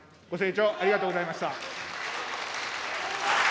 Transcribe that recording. ご清聴、ありがとうございました。